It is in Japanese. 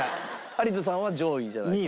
有田さんは上位じゃないかと。